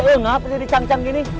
eh kenapa jadi cang cang gini